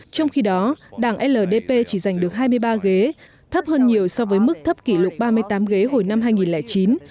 trong khi đó đảng ldp chỉ giành được hai mươi ba ghế thấp hơn nhiều so với mức thấp kỷ lục ba mươi tám ghế hồi năm hai nghìn chín